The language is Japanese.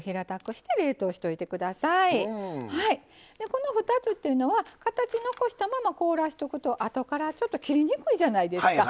この２つっていうのは形残したまま凍らしとくとあとからちょっと切りにくいじゃないですか。